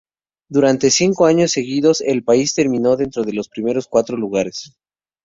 Durante cinco años seguidos el país terminó dentro de los primeros cuatro lugares.